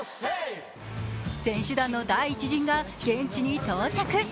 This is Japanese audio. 選手団の第１陣が現地に到着。